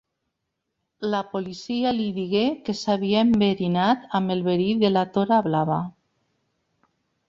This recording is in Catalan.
La policia li digué que s'havia enverinat amb el verí de la tora blava.